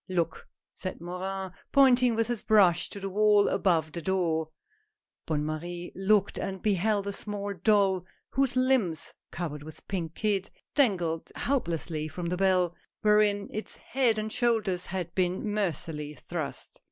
" Look !" said Morin, pointing with his brush to the wall, above the door. Bonne Marie looked and beheld a small doll whose limbs, covered with pink kid, dangled helplessly from the bell, wherein its head and shoulders had been mer cilessly thrust.